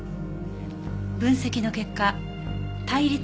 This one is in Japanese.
分析の結果対立